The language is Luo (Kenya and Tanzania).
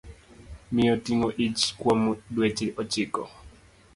Miyo ting'o ich kuom dweche ochiko